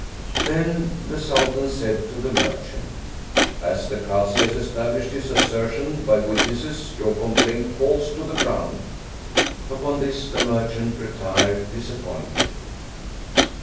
Then the Sultan said to the merchant: " As the Kazi has established his assertion by witnesses, your complaint falls to the ground." Upon this the merchant retired disap pointed.